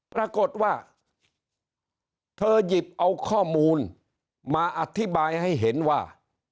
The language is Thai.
ปรากฏว่าเธอหยิบเอาข้อมูลมาอธิบายให้เห็นว่า